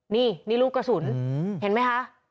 นี่นี่ลูกกระสุนเห็นไหมคะ